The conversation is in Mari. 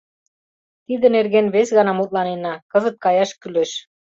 Тиде нерген вес гана мутланена, кызыт каяш кӱлеш.